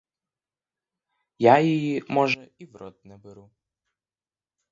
Я її, може, і в рот не беру.